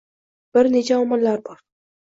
- Bir necha omillar bor